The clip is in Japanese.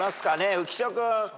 浮所君。